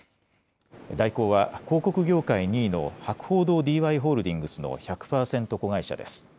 大広は、広告業界２位の博報堂ＤＹホールディングスの１００％子会社です。